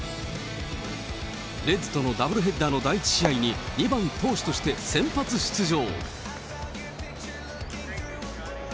レッズとのダブルヘッダーの第１試合に２番投手として先発出場。